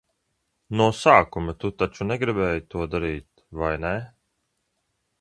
No sākuma tu taču negribēji to darīt, vai ne?